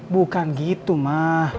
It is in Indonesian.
bukan gitu ma